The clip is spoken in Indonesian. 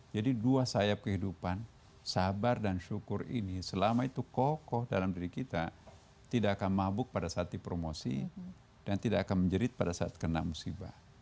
jadi dua sayap kehidupan sabar dan syukur ini selama itu kokoh dalam diri kita tidak akan mabuk pada saat dipromosi dan tidak akan menjerit pada saat kena musibah